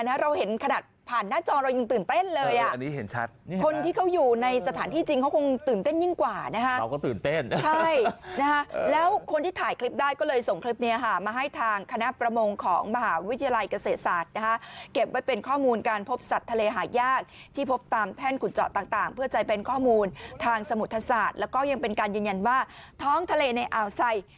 นี่เห็นไหมจริงนี่นี่นี่นี่นี่นี่นี่นี่นี่นี่นี่นี่นี่นี่นี่นี่นี่นี่นี่นี่นี่นี่นี่นี่นี่นี่นี่นี่นี่นี่นี่นี่นี่นี่นี่นี่นี่นี่นี่นี่นี่